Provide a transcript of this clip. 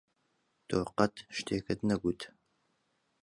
تۆ قەت شتێکت نەگوت.